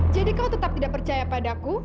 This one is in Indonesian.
jadi kau tetap tidak percaya padaku